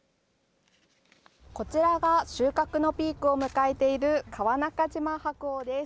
こちらが収穫のピークを迎えている川中島白鳳です。